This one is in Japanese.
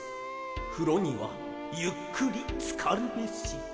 「ふろにはゆっくりつかるべし」